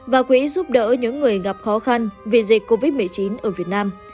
và quỹ giúp đỡ những người gặp khó khăn vì dịch covid một mươi chín ở việt nam